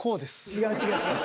違う違う違う。